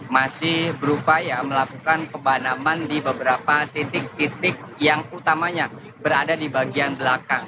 masih berupaya melakukan pemanaman di beberapa titik titik yang utamanya berada di bagian belakang